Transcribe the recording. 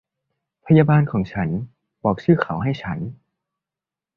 พยาบาลของฉันบอกชื่อเขาให้ฉัน